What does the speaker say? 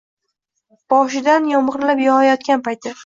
Boshidan yomg‘irlar yog‘ayotgan payti